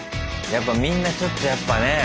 やっぱみんなちょっとやっぱね